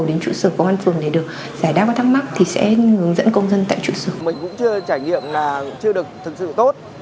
mình cũng chưa trải nghiệm là chưa được thực sự tốt